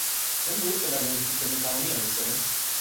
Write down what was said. jan li utala lon sitelen tawa ni anu seme?